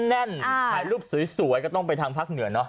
ถ่ายรูปสวยก็ต้องไปทางพักเหนือเนาะ